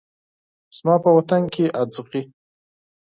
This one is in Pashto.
زما په وطن کې اغزي